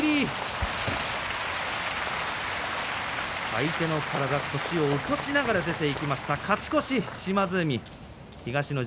相手の体、腰を起こしながら出ていきました、勝ち越し島津海。